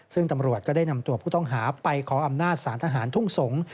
ซึ่งตำรวจก็ได้นำตัวผู้ต้องหาไปขออำนาจสารทหารทุ่งสงศ์